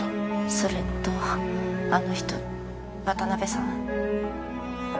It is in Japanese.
それとあの人渡辺さん？